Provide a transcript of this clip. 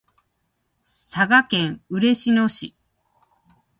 佐賀県嬉野市